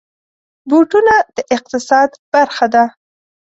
بوټونه د اقتصاد برخه ده.